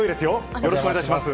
よろしくお願いします。